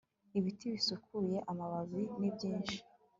ibiti bisukuye amababi ni byinshi